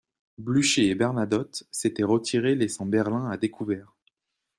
Blücher et Bernadotte s'étaient retirés laissant Berlin à découvert.